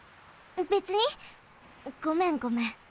べつにごめんごめん。